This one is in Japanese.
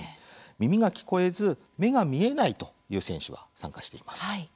耳が聞こえず、目が見えないという選手は参加しています。